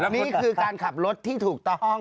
นี่คือการขับรถที่ถูกต้อง